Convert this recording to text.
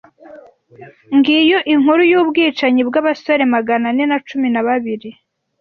Ngiyo inkuru yubwicanyi bwabasore magana ane na cumi na babiri.